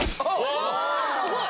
すごい！